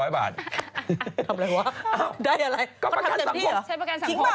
ทำอะไรวะได้อะไรเขาทำเต็มที่เหรอทิ้งมา